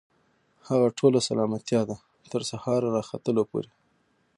هغه ټوله سلامتيا ده، تر سهار راختلو پوري